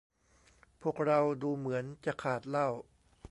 พวกเราดูเหมือนจะขาดเหล้า